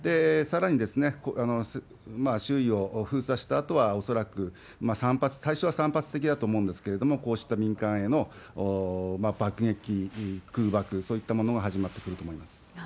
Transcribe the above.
さらに周囲を封鎖したあとは、恐らく散発、最初は散発的だと思うんですけれども、こうした民間への爆撃、空爆、そういったものが始まってくると思います。